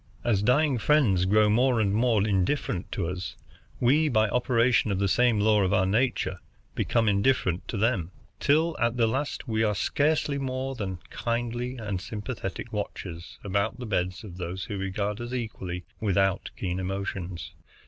As our dying friends grow more and more indifferent to us, we, by operation of the same law of our nature, become indifferent to them, till at the last we are scarcely more than kindly and sympathetic watchers about the beds of those who regard us equally without keen emotions.